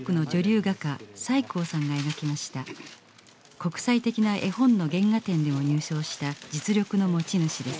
国際的な絵本の原画展でも入賞した実力の持ち主です。